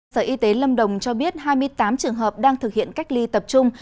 sở y tế lâm đồng cho biết hai mươi tám trường hợp đang thực hiện cách ly tập trung